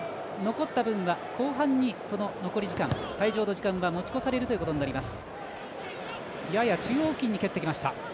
前半、残った分は後半に、その残り時間は持ち越されることになります。